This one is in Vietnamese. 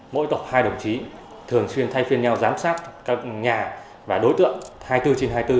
mỗi tổ hai đồng chí thường xuyên thay phiên nhau giám sát các nhà và đối tượng hai mươi bốn trên hai mươi bốn